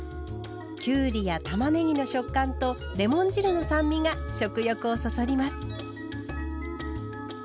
きゅうりやたまねぎの食感とレモン汁の酸味が食欲をそそります。